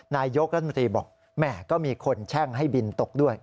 นายกรัฐมนตรีบอกแหมก็มีคนแช่งให้บินตกด้วย